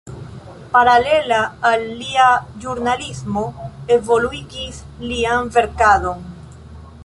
Paralela al lia ĵurnalismo, evoluigis lian verkadon.